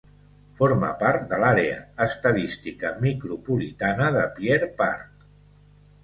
Forma part de l'àrea estadística micropolitana de Pierre Part.